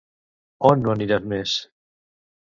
On no anirà més?